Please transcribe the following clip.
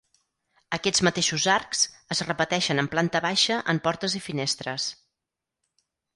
Aquests mateixos arcs es repeteixen en planta baixa en portes i finestres.